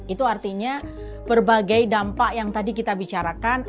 itu artinya berbagai dampak yang tadi kita bicarakan